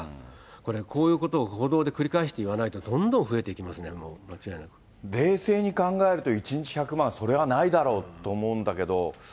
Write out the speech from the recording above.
これ、こういうことを報道で繰り返して言わないと、どんどん増え冷静に考えると、１日１００万、それはないだろうと思うんだけど。